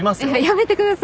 やめてください